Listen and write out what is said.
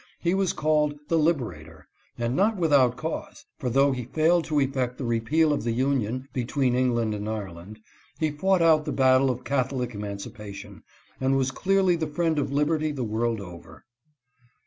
He was called " The Liberator," and not without cause, for, though he failed to effect the repeal of the union between England and Ireland, he fought out the battle of Catholic eman cipation, and was clearly the friend of liberty the world over.